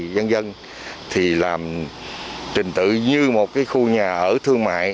vì dân dân thì làm trình tự như một cái khu nhà ở thương mại